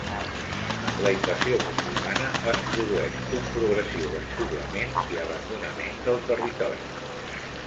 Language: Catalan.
Amb la invasió musulmana, es produeix un progressiu despoblament i abandonament del territori.